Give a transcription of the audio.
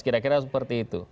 kira kira seperti itu